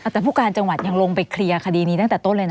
แต่ผู้การจังหวัดยังลงไปเคลียร์คดีนี้ตั้งแต่ต้นเลยนะ